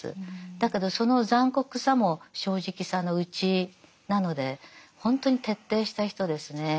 だけどその残酷さも正直さのうちなのでほんとに徹底した人ですね。